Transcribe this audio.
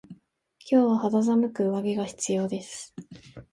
今日は肌寒く上着が必要です。